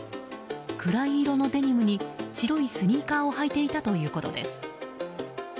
暗い色のデニムに白いスニーカーを履いていたということです。